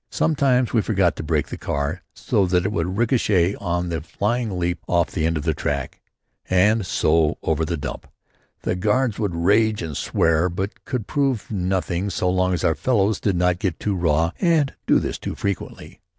Sometimes we forgot to brake the car so that it would ricochet on in a flying leap off the end of the track, and so on over the dump. The guards would rage and swear but could prove nothing so long as our fellows did not get too raw and do this too frequently.